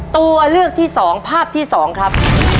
ตัวเลือกที่๒ภาพที่๒ครับ